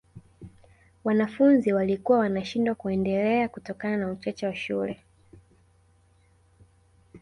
wanafunzi walikuwa wanashindwa kuendelea kutokana na uchache wa shule